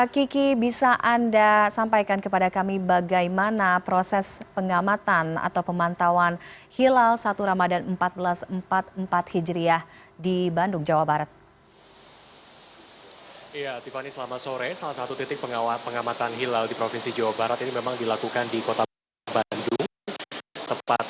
kiki bisa anda sampaikan kepada kami bagaimana proses pengamatan atau pemantauan hilal satu ramadhan seribu empat ratus empat puluh empat hijriah di bandung jawa barat